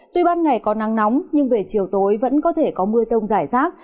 tuy ban ngày có nắng nóng nhưng về chiều tối vẫn có thể có mưa rông rải rác